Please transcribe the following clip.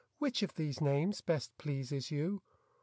Which of these names best pleases you'?